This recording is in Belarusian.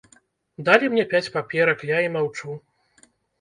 Далі мне пяць паперак, я і маўчу.